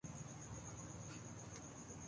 وہ فورا مل گیا۔